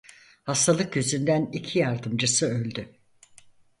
Hastalık yüzünden iki yardımcısı öldü.